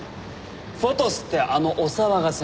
『フォトス』ってあのお騒がせの？